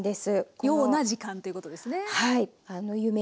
ような時間ということですね。